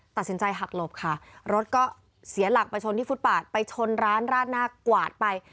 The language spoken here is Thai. ตัดสินใจหักหลบค่ะรถก็เสียหลักไปชนที่ฟุตปาดไปชนร้านราดหน้ากวาดไป